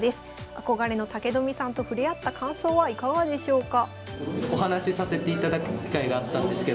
憧れの武富さんと触れ合った感想はいかがでしょうか。